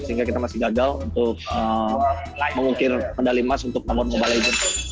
sehingga kita masih gagal untuk mengukir medali emas untuk nomor mobile legends